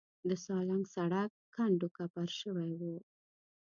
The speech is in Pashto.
د سالنګ سړک کنډو کپر شوی و.